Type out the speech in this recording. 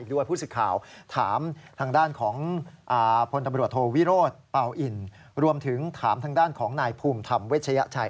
ด้วยผู้สิทธิ์ข่าวถามทางด้านของพลตำรวจโทวิโรธเป่าอินรวมถึงถามทางด้านของนายภูมิธรรมเวชยชัย